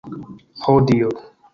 Ho dio!